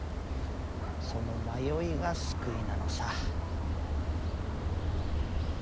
その迷いが救いなのさ。